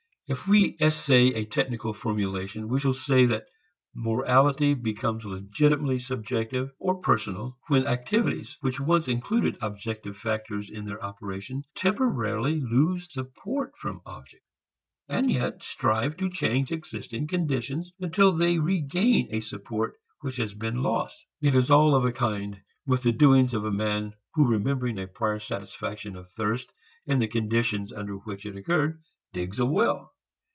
If we essay a technical formulation we shall say that morality becomes legitimately subjective or personal when activities which once included objective factors in their operation temporarily lose support from objects, and yet strive to change existing conditions until they regain a support which has been lost. It is all of a kind with the doings of a man, who remembering a prior satisfaction of thirst and the conditions under which it occurred, digs a well.